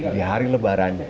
di hari lebaran justru ya